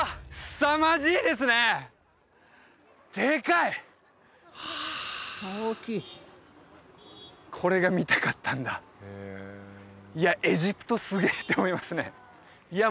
すさまじいですねでかい！はあこれが見たかったんだいやエジプトすげえって思いますねいや